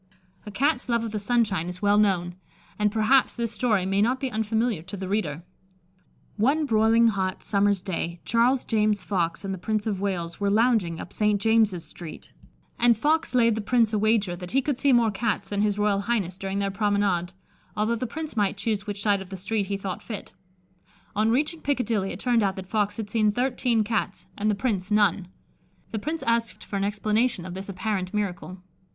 A Cat's love of the sunshine is well known, and perhaps this story may not be unfamiliar to the reader: One broiling hot summer's day Charles James Fox and the Prince of Wales were lounging up St. James's street, and Fox laid the Prince a wager that he would see more Cats than his Royal Highness during their promenade, although the Prince might choose which side of the street he thought fit. On reaching Piccadilly, it turned out that Fox had seen thirteen Cats and the Prince none. The Prince asked for an explanation of this apparent miracle.